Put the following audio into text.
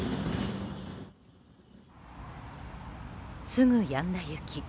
すぐやんだ雪。